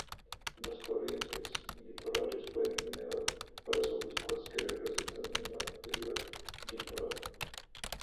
Las corrientes litorales pueden generar olas oblicuas que resultan en la deriva litoral.